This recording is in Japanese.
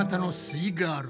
イガール